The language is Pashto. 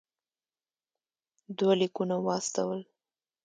دوه لیکونه واستول.